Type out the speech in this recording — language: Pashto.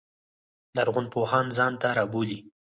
لرغون پوهان ځان ته رابولي.